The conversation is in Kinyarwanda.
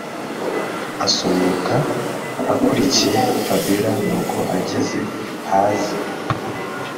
asohoka akurikiye fabiora nuko ageze haze